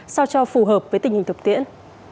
so cho phù hợp với tình hình thực tiễn